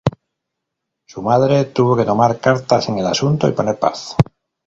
Su madre tuvo que tomar cartas en el asunto y poner paz